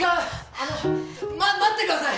あのま待ってください！